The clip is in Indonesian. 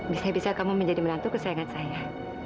bisa bisa kamu menjadi menantu kesayangan saya